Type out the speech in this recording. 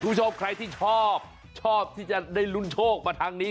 คุณผู้ชมใครที่ชอบชอบที่จะได้ลุ้นโชคมาทางนี้